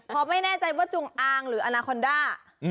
เพราะไม่แน่ใจว่าจุงอางหรืออนาคอนด้า